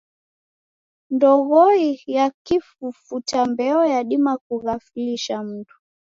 Ndoghoi ya kifufuta mbeo yadima kughaflisha mndu.